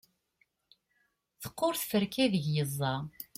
teqqur tferka ideg yeẓẓa